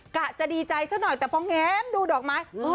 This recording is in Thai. กะจะดีใจซะหน่อยแต่พอแง้มดูดอกไม้